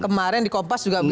kemarin di kompas juga